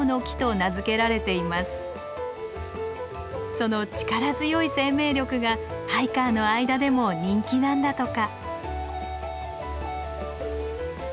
その力強い生命力がハイカーの間でも人気なんだとか。